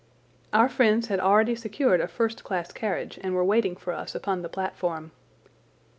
Our friends had already secured a first class carriage and were waiting for us upon the platform.